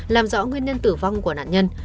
làm rõ nguyên nhân tử vong của nạn nhân